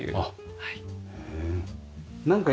はい。